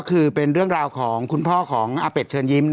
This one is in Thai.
คือเป็นเรื่องราวของคุณพ่อของอาเป็ดเชิญยิ้ม